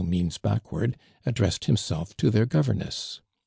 means backward, addressed hiinself to their governess.